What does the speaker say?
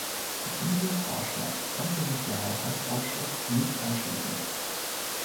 Diesem Vorschlag konnte sich der Haushaltsausschuss nicht anschließen.